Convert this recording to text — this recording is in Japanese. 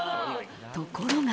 ところが。